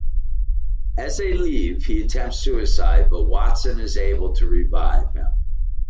As they leave, he attempts suicide, but Watson is able to revive him.